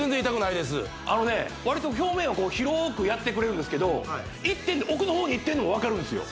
あのね割と表面は広くやってくれるんですけど一点で奥の方にいってんの分かるんですよ・